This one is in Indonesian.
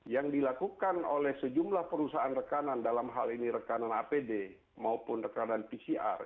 yang dilakukan oleh sejumlah perusahaan rekanan dalam hal ini rekanan apd maupun rekanan pcr